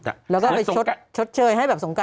แล้วก็ไปชดเชยให้แบบสงการ